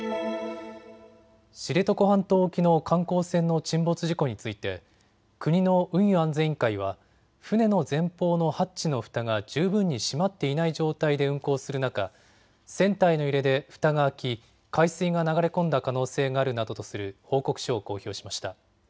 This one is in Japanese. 知床半島沖の観光船の沈没事故について国の運輸安全委員会は船の前方のハッチのふたが十分に閉まっていない状態で運航する中、船体の揺れでふたが開き海水が流れ込んだ可能性があるなどとする報告書を公表しました。